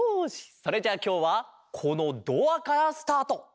それじゃあきょうはこのドアからスタート。